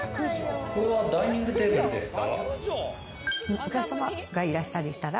これはダイニングテーブルですか？